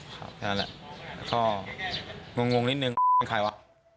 ครับแล้วแหละแล้วก็วงนิดหนึ่งเป็นใครวะ